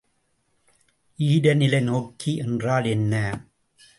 ஈரநிலைநோக்கி என்றால் என்ன?